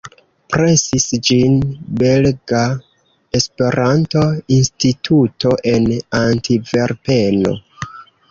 Presis ĝin Belga Esperanto-Instituto en Antverpeno.